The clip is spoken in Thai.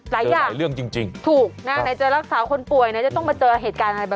หลายอย่างถูกนะในเจอรักษาคนป่วยนะจะต้องมาเจอเหตุการณ์อะไรแบบนี้